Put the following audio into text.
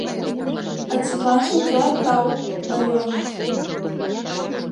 — А тидланже тылат тау, Ларионыч!